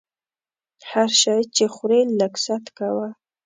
هر شی چې خورې لږ ست کوه!